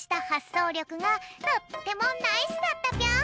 そうりょくがとってもナイスだったぴょん！